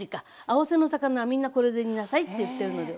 「青背の魚はみんなこれで煮なさい」って言ってるので